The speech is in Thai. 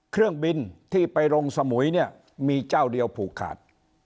เครื่องบินที่ไปลงสมุยเนี่ยมีเจ้าเดียวผูกขาด